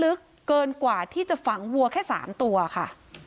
ลึกเกินกว่าที่จะฝังวัวแค่๓ตัวค่ะ